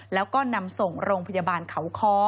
แล้วก็นำส่งโรงพยาบาลเขาค้อ